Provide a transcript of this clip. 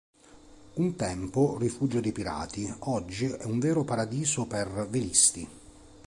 Un tempo rifugio dei pirati, oggi è un vero paradiso per velisti.